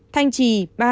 thanh trì ba